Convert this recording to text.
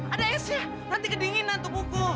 ada esnya nanti kedinginan tubuhku